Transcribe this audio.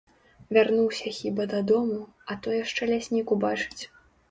Вярнуся хіба дадому, а то яшчэ ляснік убачыць.